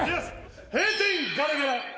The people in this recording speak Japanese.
閉店ガラガラ。